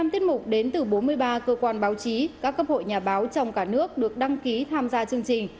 năm tiết mục đến từ bốn mươi ba cơ quan báo chí các cấp hội nhà báo trong cả nước được đăng ký tham gia chương trình